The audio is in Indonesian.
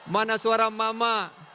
mana suara mama